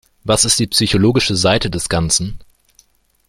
Was ist die psychologische Seite des Ganzen?